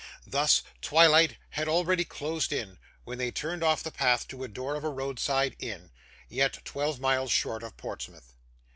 Thus, twilight had already closed in, when they turned off the path to the door of a roadside inn, yet twelve miles short of Portsmouth.